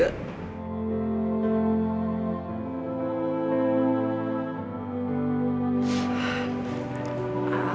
sampai jumpa lagi